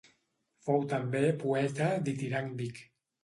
Fou també poeta ditiràmbic.